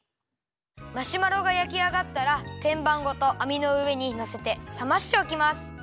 マシュマロがやきあがったらてんばんごとあみのうえにのせてさましておきます。